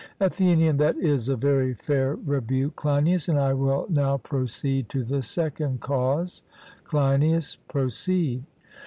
ATHENIAN: That is a very fair rebuke, Cleinias; and I will now proceed to the second cause. CLEINIAS: Proceed.